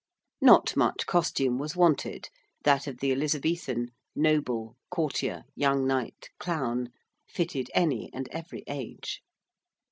Not much costume was wanted: that of the Elizabethan noble courtier young knight clown fitted any and every age.